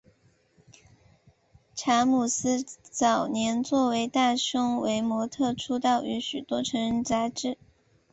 查姆斯早年作为大胸围模特出道于许多成人杂志。